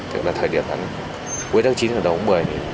tức là thời điểm cuối tháng chín cuối tháng chín cuối tháng một mươi